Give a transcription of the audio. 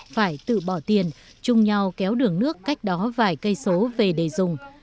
phải tự bỏ tiền chung nhau kéo đường nước cách đó vài cây số về để dùng